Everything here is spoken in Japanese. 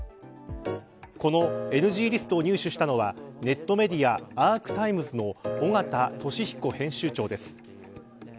このＮＧリストを入手したのはネットメディアアークタイムズの尾形聡彦編集長です。